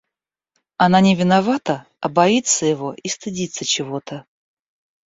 Она не виновата, а боится его и стыдится чего-то.